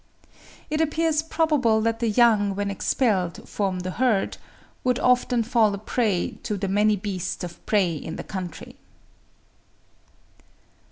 It appears probable that the young when expelled from the herd, would often fall a prey to the many beasts of prey of the country.